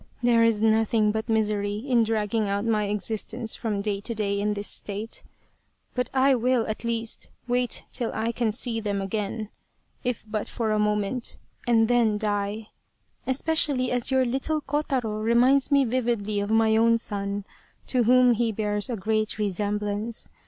There is nothing but misery in dragging out my existence from day to day in this state but I will, at least, wait till I can see them again, if but for a moment, and then die, especially as your little Kotaro reminds me vividly of my own son, to whom he bears a great resemblance.